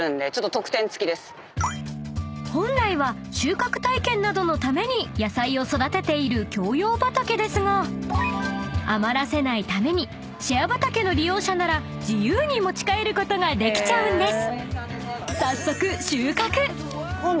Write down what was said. ［本来は収穫体験などのために野菜を育てている共用畑ですが余らせないためにシェア畑の利用者なら自由に持ち帰ることができちゃうんです］